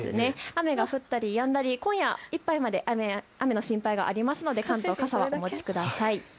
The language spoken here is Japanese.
雨が降ったり、やんだり今夜いっぱいまで雨の心配がありますので関東、傘はお持ちください。